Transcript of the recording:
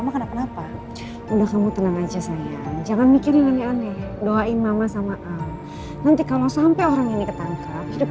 mama gak ada kenapa